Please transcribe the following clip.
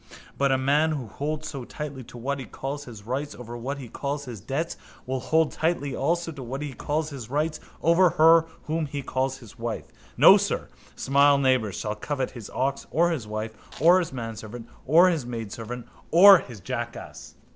But a man who holds so tightly to what he calls his rights over what he calls his debts will hold tightly also to what he calls his rights over her whom he calls his wife. No sir smile neighbour shall covet his ox or his wife or his manservant or his maidservant or his jackass.